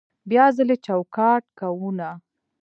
بیا ځلې چوکاټ کوونه